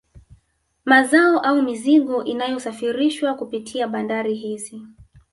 Mazao au mizigo inayosafirishwa kupitia bandari hizi